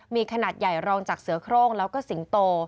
มีขนาดใหญ่รองจากเสือโครงแล้วก็สิงโต